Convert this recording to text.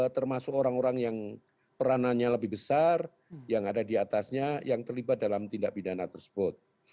termasuk orang orang yang peranannya lebih besar yang ada di atasnya yang terlibat dalam tindak pidana tersebut